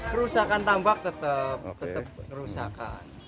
kerusakan tambak tetap tetap kerusakan